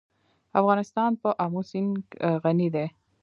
افغانستان په آمو سیند غني دی.